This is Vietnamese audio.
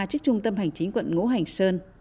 trước trung tâm hành chính quận ngũ hành sơn